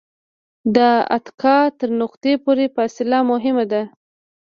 د اتکا تر نقطې پورې فاصله مهمه ده.